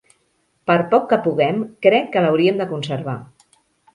Per poc que puguem, crec que l'hauríem de conservar.